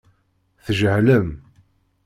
Tjehlem.